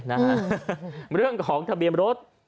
ก็เป็นเรื่องของทะเบียนรถ